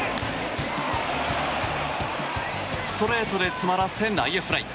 ストレートで詰まらせ内野フライ。